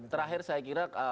terakhir saya kira